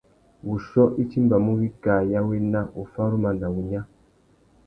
Wuchiô i timbamú wikā ya wena, wuffaruma na wunya.